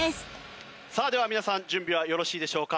さあでは皆さん準備はよろしいでしょうか？